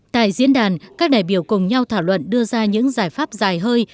tại diễn đàn các đại biểu cùng nhau thảo luận đưa ra những giải pháp dài hơi